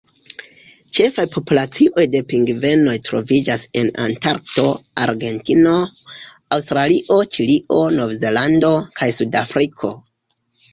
Ĉefaj populacioj de pingvenoj troviĝas en Antarkto, Argentino, Aŭstralio, Ĉilio, Novzelando, kaj Sudafriko.